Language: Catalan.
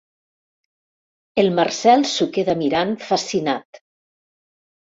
El Marcel s'ho queda mirant, fascinat.